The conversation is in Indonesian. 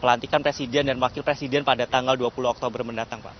pelantikan presiden dan wakil presiden pada tanggal dua puluh oktober mendatang pak